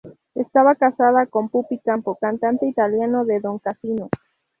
Estaba casada con Pupi Campo, cantante italiano de Don Casino.